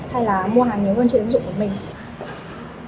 hay là mua hàng nhiều hơn trên ứng dụng của mình